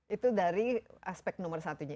itu dari aspek nomor satunya